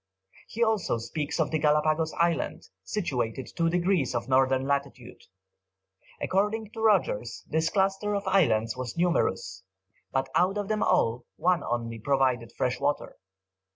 He also speaks of the Galapagos Island, situated two degrees of northern latitude. According to Rogers, this cluster of islands was numerous, but out of them all one only provided fresh water.